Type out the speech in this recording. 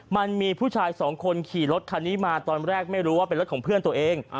มันมีผู้ชายสองคนขี่รถคันนี้มาตอนแรกไม่รู้ว่าเป็นรถของเพื่อนตัวเอง